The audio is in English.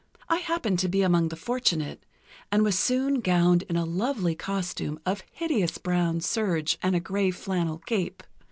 I happened to be among the fortunate, and was soon gowned in a lovely costume of hideous brown serge and a gray flannel cape.